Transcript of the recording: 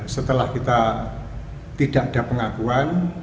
setelah kita tidak ada pengakuan